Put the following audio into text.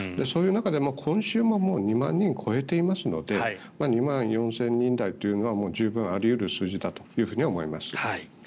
そういう中で、今週ももう２万人を超えていますので２万４０００人台というのは十分あり得る数字だとは思います。